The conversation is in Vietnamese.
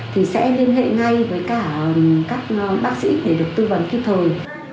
thì sẽ liên hệ ngay với cả các bác sĩ để được tư vấn kịp thời